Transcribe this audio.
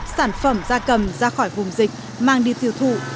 sản phẩm da cầm ra khỏi vùng dịch mang đi tiêu thụ